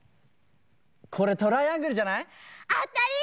これトライアングルじゃない？あたり！